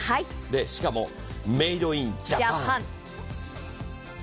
しかもメイドインジャパン。